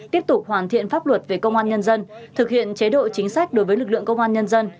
tiếp tục hoàn thiện pháp luật về công an nhân dân thực hiện chế độ chính sách đối với lực lượng công an nhân dân